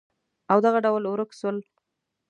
او دغه ډول ورک شول